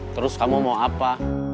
terus kamu mau apa